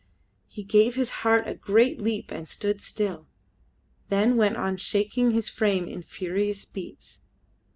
His heart gave a great leap and stood still, then went on shaking his frame in furious beats.